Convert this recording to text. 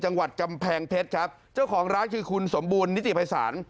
จังหวัดกำแพงเพชรครับเจ้าของร้านคือคุณสมบูรณ์นิติภัยศาล